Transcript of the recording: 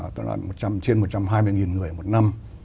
tức là trên một trăm hai mươi người một năm